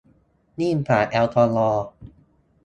ยิ่งกว่าแอลกอฮอล์